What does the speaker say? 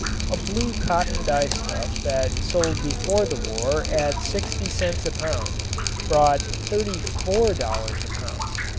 A blue cotton dyestuff that sold before the war at sixty cents a pound, brought $34 a pound.